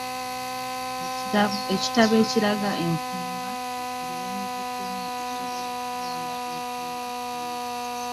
Ekitabo ekiraga enfumba, buli yeenyigiddemu asobola okulonda enfumba gy'anaakozesa.